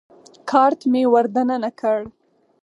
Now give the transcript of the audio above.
کارت مې ور دننه کړ.